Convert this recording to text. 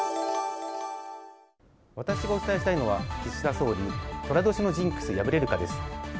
私がお伝えしたいのは岸田総理寅年のジンクス破れるかです。